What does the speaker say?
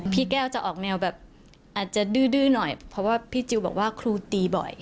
พี่แก้วจะออกแนวแบบอาจจะดื้อหน่อยเพราะว่าพี่จิลบอกว่าครูตีบ่อย